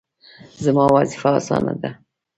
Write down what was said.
زما وظیفه اسانه ده